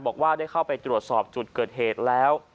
บอกว่าได้เข้าไปตรวจสอบจุดเกิดเหตุแล้ว